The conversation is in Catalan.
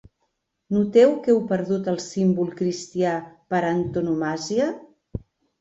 Noteu que heu perdut el símbol cristià per antonomàsia.